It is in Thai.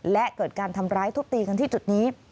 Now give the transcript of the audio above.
และเกิดการทำร้ายทุบตีกันที่จุดนี้